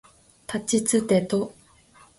たちつてと